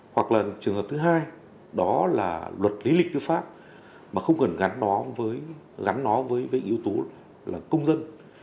hoặc là trường hợp thứ hai đó là luật lý lịch tư pháp mà không cần gắn nó với yếu tố công dân